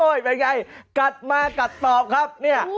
โยโยเป็นไงกัดมากัดต่อครับ